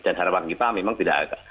dan harapan kita memang tidak ada